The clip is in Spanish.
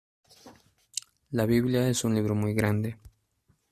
La biblia es un libro muy grande.